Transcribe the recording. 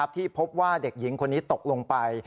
ที่พบว่าเด็กหญิงคนนี้ตกลงไป